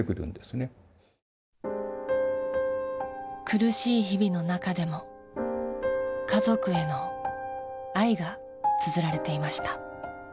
苦しい日々の中でも家族への愛がつづられていました。